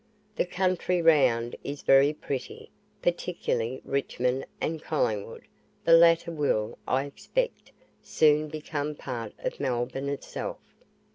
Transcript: The country round is very pretty, particularly Richmond and Collingwood; the latter will, I expect, soon become part of Melbourne itself.